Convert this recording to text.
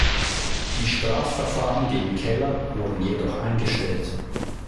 Die Strafverfahren gegen Keller wurden jedoch eingestellt.